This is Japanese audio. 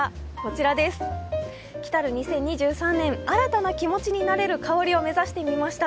２０２３年、新たな気持ちになれる香りを目指してみました。